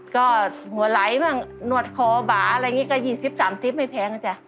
ก็หัวไหลบ้างนวดคอบาอะไรอย่างนี้ก็๒๐๓๐ไม่แพงนะจ๊ะ